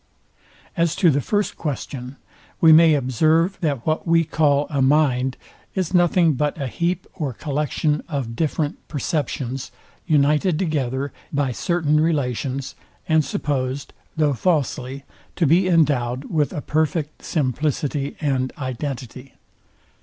As to the first question; we may observe, that what we call a mind, is nothing but a heap or collection of different perceptions, united together by certain relations, and supposed, though falsely, to be endowed with a perfect simplicity and identity.